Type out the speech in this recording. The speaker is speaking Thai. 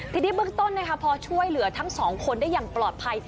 ทีนี้เบื้องต้นพอช่วยเหลือทั้งสองคนได้อย่างปลอดภัย